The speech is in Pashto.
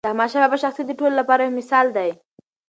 د احمدشاه بابا شخصیت د ټولو لپاره یو مثال دی.